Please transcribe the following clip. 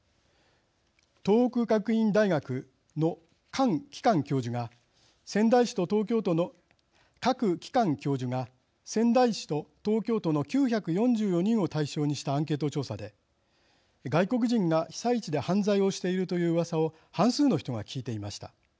東北学院大学のカク・キカン教授が仙台市と東京都の９４４人を対象にしたアンケート調査で外国人が被災地で犯罪をしているといううわさを半数の人が聞いていました。